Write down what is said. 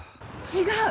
違う。